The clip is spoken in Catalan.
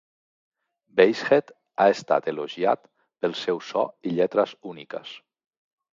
Basehead ha estat elogiat pel seu so i lletres úniques.